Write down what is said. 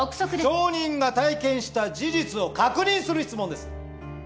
証人が体験した事実を確認する質問です。